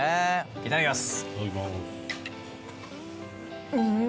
いただきます！